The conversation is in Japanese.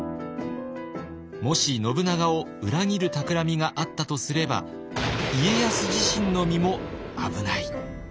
もし信長を裏切る企みがあったとすれば家康自身の身も危ない。